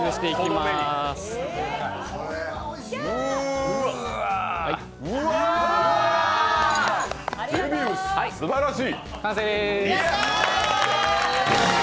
すばらしい！